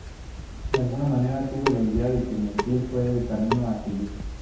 De alguna manera tuve la idea de que mentir fue el camino a seguir.